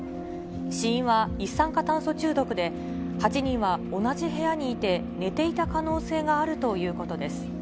死因は一酸化炭素中毒で、８人は同じ部屋にいて、寝ていた可能性があるということです。